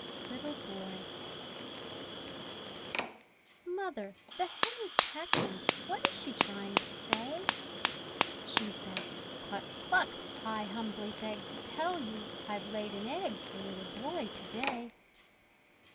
LITTLE BOY Mother, the hen is cackling; What is she trying to say? She says, "Cluck! cluck! I humbly beg To tell you all I've laid an egg For Little Boy to day!"